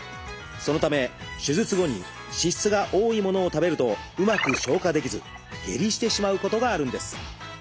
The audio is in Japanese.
そのため手術後に脂質が多いものを食べるとうまく消化できず下痢してしまうことがあるんです。